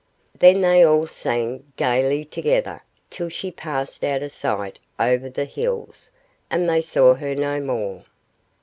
Then they all sang gayly together, till she passed out of sight over the hills, and they saw her no more.